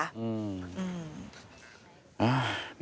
อืม